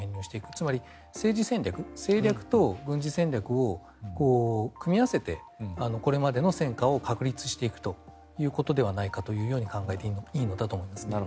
つまり政治戦略政略と軍事戦略を組み合わせてこれまでの戦果を確立していくということではないかと考えていいのだと思います。